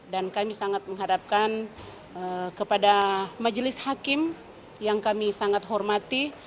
dan kami sangat mengharapkan kepada majelis hakim yang kami sangat hormati